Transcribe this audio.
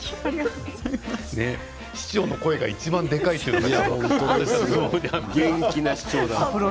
市長の声がいちばんでかいというね。